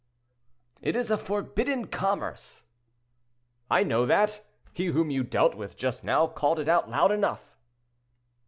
"It is a forbidden commerce." "I know that; he whom you dealt with just now called it out loud enough."